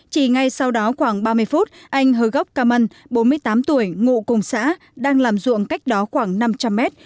chỉ ngay sau đó khoảng ba mươi phút anh hỡi góc cà mân bốn mươi tám tuổi ngụ cùng xã đang làm ruộng cách đó khoảng năm trăm linh mét